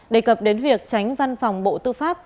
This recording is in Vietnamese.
đề cập đến việc tránh văn phòng bộ tư pháp